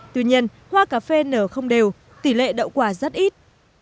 tuy nhiên hoa cà phê nở không đều tỷ lệ đậu quả rất ít